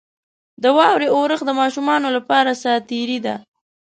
• د واورې اورښت د ماشومانو لپاره ساتیري ده.